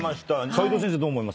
齋藤先生どう思いますか？